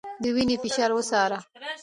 د وينې فشار وڅاره